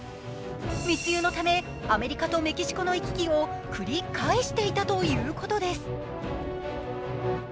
密輸のためアメリカとメキシコの行き来を繰り返していたということです。